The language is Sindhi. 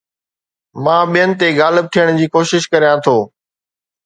مان ٻين تي غالب ٿيڻ جي ڪوشش ڪريان ٿو